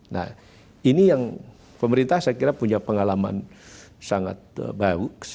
nah ini yang pemerintah saya kira punya pengalaman sangat baik